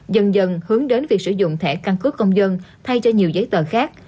dần dần hướng đến việc sử dụng thẻ căn cước công dân thay cho nhiều giấy tờ khác